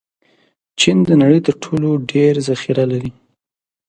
چین د نړۍ تر ټولو ډېر ذخیره لري.